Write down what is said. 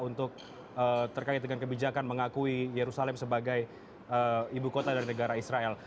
untuk terkait dengan kebijakan mengakui yerusalem sebagai ibu kota dari negara israel